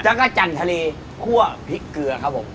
แล้วก็จันทะเลคั่วพริกเกลือครับผม